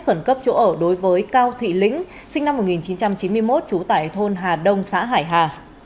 khẩn cấp chỗ ở đối với cao thị lĩnh sinh năm một nghìn chín trăm chín mươi một trú tại thôn hà đông xã hải hà